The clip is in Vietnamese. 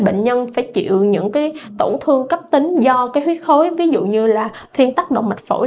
bệnh nhân phải chịu những cái tổn thương cấp tính do huyết khối ví dụ như là thuyên tắc động mạch phổi